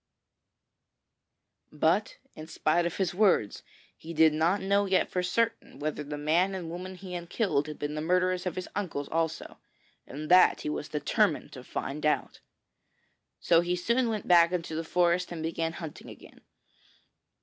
But in spite of his words, he did not know yet for certain whether the man and woman he had killed had been the murderers of his uncles also, and that he was determined to find out. So he soon went back into the forest and began hunting again.